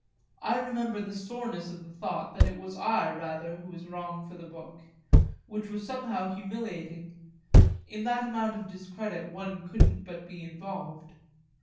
I remember the soreness of the thought that it was I rather who was wrong for the book which was somehow humiliating: in that amount of discredit one couldn't but be involved.